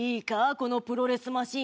このプロレスマシン